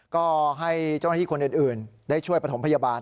ก็ให้เจ้าหน้าที่คนอื่นได้ช่วยประถมพยาบาล